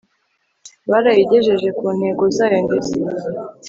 byarayigejeje ku ntego zayo ndeste